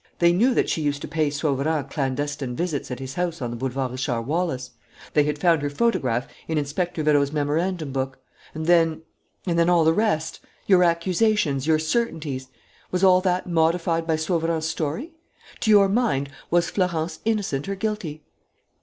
They knew that she used to pay Sauverand clandestine visits at his house on the Boulevard Richard Wallace. They had found her photograph in Inspector Vérot's memorandum book, and then and then all the rest: your accusations, your certainties. Was all that modified by Sauverand's story? To your mind, was Florence innocent or guilty?"